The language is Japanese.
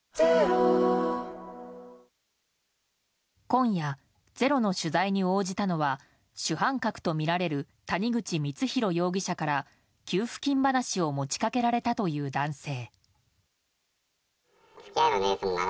今夜、「ｚｅｒｏ」の取材に応じたのは主犯格とみられる谷口光弘容疑者から給付金話を持ち掛けられたという男性。